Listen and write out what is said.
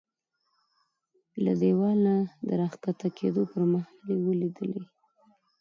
له دېوال نه د را کښته کېدو پر مهال مې ولیدلې.